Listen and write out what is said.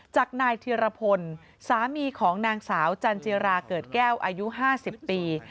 จากนายธิรพลสามีของนางสาวจันจิราเกิดแก้วอายุ๕๐ปี